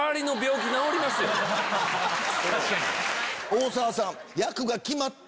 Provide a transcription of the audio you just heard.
大沢さん。